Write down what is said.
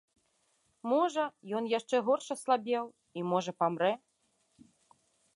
Можа, ён яшчэ горш аслабеў і, можа, памрэ.